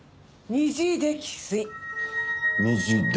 二次溺水？